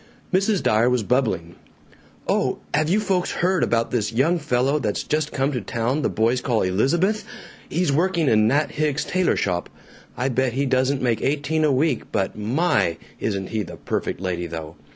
Mrs. Dyer was bubbling, "Oh, have you folks heard about this young fellow that's just come to town that the boys call 'Elizabeth'? He's working in Nat Hicks's tailor shop. I bet he doesn't make eighteen a week, but my! isn't he the perfect lady though!